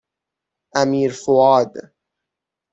امیرفؤاد